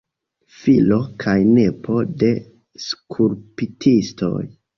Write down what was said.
Filo kaj nepo de skulptistoj.